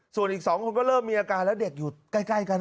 ส่วนอีก๒คนก็เริ่มมีอาการแล้วเด็กอยู่ใกล้กัน